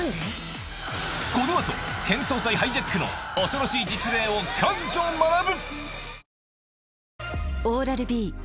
この後扁桃体ハイジャックの恐ろしい実例をカズと学ぶ！